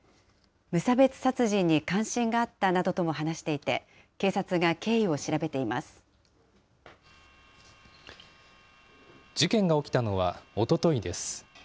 無差別殺人に関心があったなどとも話していて、警察が経緯を事件が起きたのはおとといです。